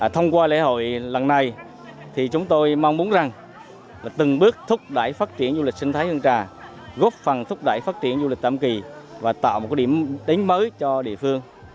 thông qua lễ hội lần này chúng tôi mong muốn rằng từng bước thúc đẩy phát triển du lịch sinh thái hương trà góp phần thúc đẩy phát triển du lịch tam kỳ và tạo một điểm tính mới cho địa phương